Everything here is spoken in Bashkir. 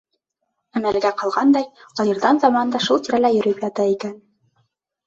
Әмәлгә ҡалғандай, алйырҙан ҙаман да шул тирәлә йөрөп ята икән.